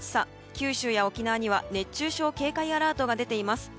九州や沖縄には熱中症警戒アラートが出ています。